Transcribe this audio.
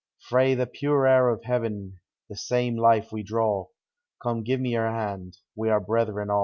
Frae the pure air of heaven the same life we draw : Come, gi'e me your hand, — we are brethren a'.